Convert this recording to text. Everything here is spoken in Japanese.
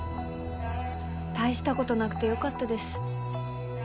大したことなくてよかったです。